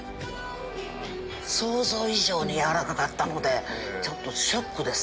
想像以上に軟らかかったのでちょっとショックです。